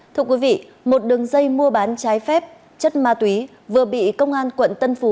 thưa quý vị một đường dây mua bán trái phép chất ma túy vừa bị công an quận tân phú